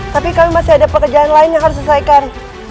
tapi kami masih ada pekerjaan lain yang harus diselesaikan